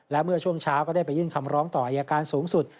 และเมื่อช่วงเช้าก็ได้ไปยื่นคำร้องต่ออายการสูงสุด